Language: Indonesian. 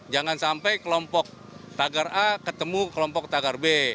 jangan sampai kelompok tagar a ketemu kelompok tagar b